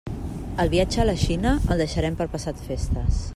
El viatge a la Xina el deixarem per passat festes.